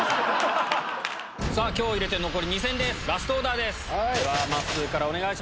今日入れて残り２戦ですラストオーダーまっすーお願いします。